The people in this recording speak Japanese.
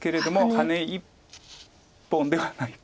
ハネ１本ではないかと。